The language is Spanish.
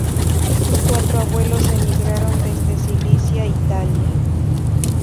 Sus cuatro abuelos emigraron desde Sicilia, Italia.